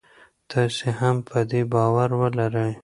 تاسي هم په دې باور ولرئ.